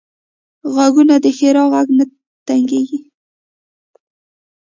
غوږونه د ښیرا غږ نه تنګېږي